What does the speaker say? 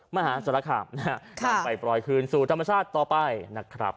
มหาศาลคามนะฮะนำไปปล่อยคืนสู่ธรรมชาติต่อไปนะครับ